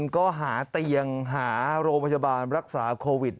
ก็หาเตียงหาโรงพยาบาลรักษาโควิด